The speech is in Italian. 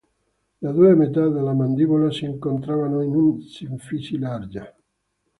Le due metà della mandibola si incontravano in una sinfisi larga.